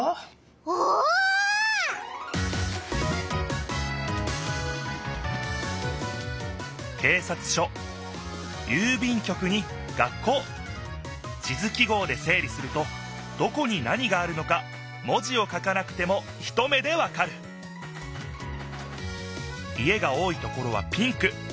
おお！警察署郵便局に学校地図記号でせい理するとどこに何があるのか文字を書かなくても一目でわかる家が多いところはピンク。